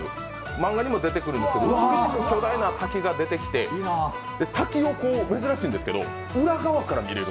漫画にも出てくるんですけど、巨大な滝が出てきて滝を、珍しいんですけど裏側から見れる。